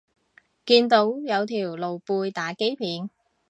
見到有條露背打機片